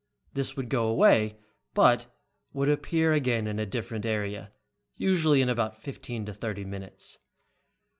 This would go away, but would appear again in a different area, usually in about fifteen to thirty minutes.